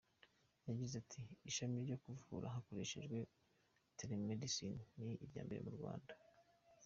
Yagize ati “Ishami ryo kuvura hakoreshejwe telemedicine ni irya mbere mu Rwanda.